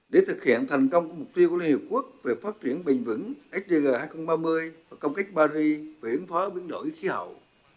để thực hiện thành công mục tiêu của liên hiệp quốc về phát triển bền vững sgg hai nghìn ba mươi và công kết paris về hướng phó biến đổi khí hậu